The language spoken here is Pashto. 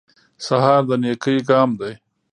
سهار د نېکۍ ګام دی.